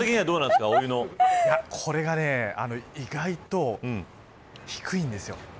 これが意外と低いんですよ。